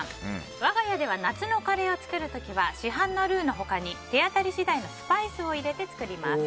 我が家では夏のカレーを作る時は市販のルーのほかに手当たり次第のスパイスを入れて作ります。